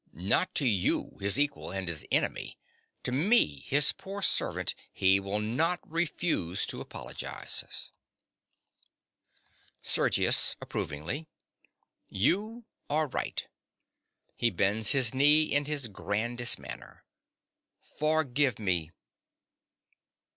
Not to you, his equal and his enemy. To me, his poor servant, he will not refuse to apologize. SERGIUS. (approvingly). You are right. (He bends his knee in his grandest manner.) Forgive me!